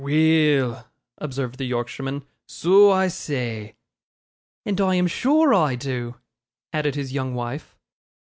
'Weel!' observed the Yorkshireman, 'so I say.' 'And I am sure I do,' added his young wife.